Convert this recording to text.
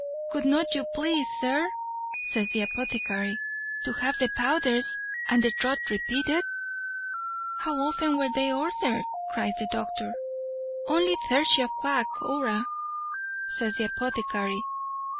"Would not you please, sir," says the apothecary, "to have the powders and the draught repeated?" "How often were they ordered?" cries the doctor. "Only tertia quaq. hora," says the apothecary.